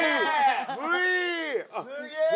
・すげえな！